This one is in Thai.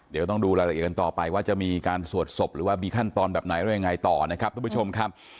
เดี๋ยวต้องดูรายละเอียดกันต่อไปว่าจะมีการสวดศพหรือว่ามีขั้นตอนแบบไหนแล้วยังไงต่อนะครับทุกผู้ชมครับ